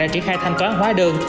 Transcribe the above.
đã triển khai thanh toán hóa đơn